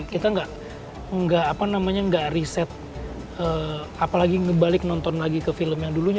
kita gak apa namanya gak riset apalagi ngebalik nonton lagi ke film yang dulunya